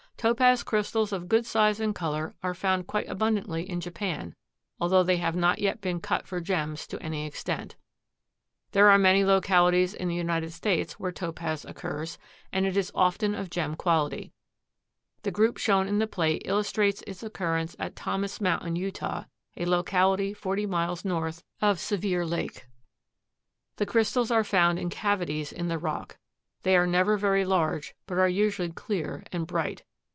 Topaz crystals of good size and color are found quite abundantly in Japan, although they have not yet been cut for gems to any extent. There are many localities in the United States where Topaz occurs, and it is often of gem quality. The group shown in the plate illustrates its occurrence at Thomas Mountain, Utah, a locality forty miles north of Sevier Lake. The crystals are found in cavities in the rock. They are never very large, but are usually clear and bright.